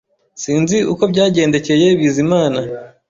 Sinzi uko byagendekeye Bizimana